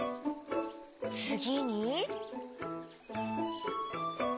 つぎに？